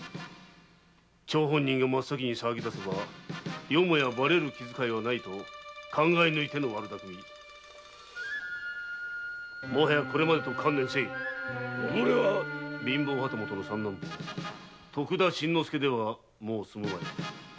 張本人が真っ先に騒ぎだせばよもやバレる気づかいはないと考えぬいての悪だくみもはやこれまでと観念せいおのれは貧乏旗本の三男坊徳田新之助ではもう済むまい。